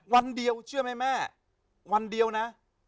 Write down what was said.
วันเดียวเชื่อไหมแม่วันเดียวนะ